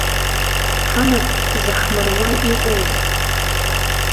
Ҳамаҵ заҳмыруа иҟоузеи?!